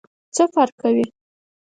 څه فرق کوي ؟